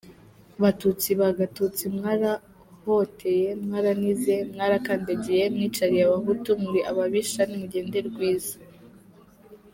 Batutsi ba Gatutsi, mwarahotoye, mwaranize, mwarakandagiye , mwicariye abahutu muri ababisha, nimugende rwiza.